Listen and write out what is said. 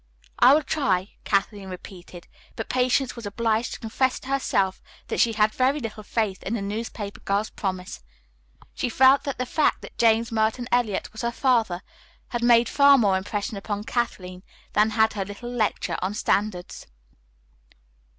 "I will try," Kathleen repeated, but Patience was obliged to confess to herself that she had very little faith in the newspaper girl's promise. She felt that the fact that James Merton Eliot was her father had made far more impression upon Kathleen than had her little lecture on standards.